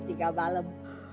selama tiga hari tiga malam